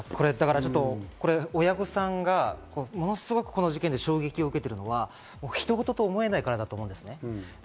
これ親御さんが、ものすごくこの事件で衝撃を受けているのは人ごとと思えないからだと思います。